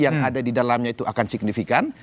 yang ada di dalamnya itu akan signifikan